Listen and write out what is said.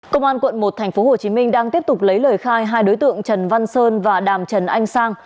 công an quận một tp hcm đang tiếp tục lấy lời khai hai đối tượng trần văn sơn và đàm trần anh sang